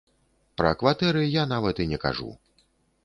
Пра кватэры я нават і не кажу.